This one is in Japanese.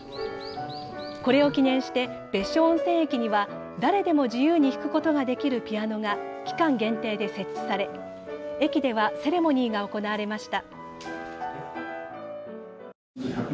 これを記念して別所温泉駅には誰でも自由に弾くことができるピアノが期間限定で設置され駅ではセレモニーが行われました。